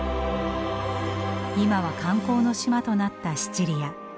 今は観光の島となったシチリア。